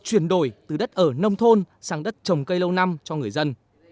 chuyển đổi từ đất ở nông thôn sang đất trồng cây lâu năm cho người dân